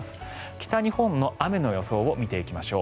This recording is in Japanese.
北日本の雨の予想を見ていきましょう。